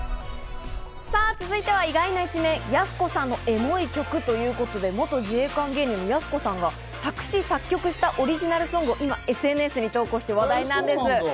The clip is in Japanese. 続いては意外な一面、やす子さんのエモい曲ということで元自衛官芸人のやす子さんが作詞・作曲したオリジナルソングを今ＳＮＳに投稿して話題なんです。